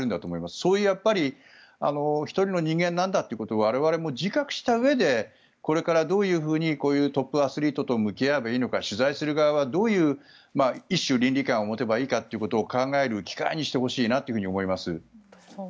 そういう１人の人間なんだということを我々も自覚したうえでこれからどういうふうにこういうトップアスリートと向き合えばいいのか取材する側はどういう、一種の倫理観を持てばいいかということを考える機会にしてほしいなと思います。